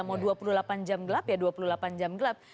mau dua puluh delapan jam gelap ya dua puluh delapan jam gelap